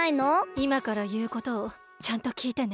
いまからいうことをちゃんときいてね。